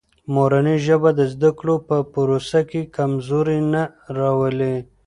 مورنۍ ژبه د زده کړو په پروسه کې کمزوري نه راولي.